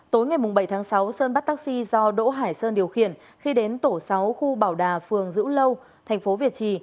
tối ngày bảy tháng sáu sơn bắt taxi do đỗ hải sơn điều khiển khi đến tổ sáu khu bảo đà phường dữ lâu thành phố việt trì